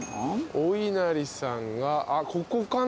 おいなりさんがあっここかな？